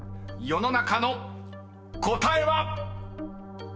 ［世の中の答えは⁉］